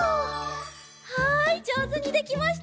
はいじょうずにできました！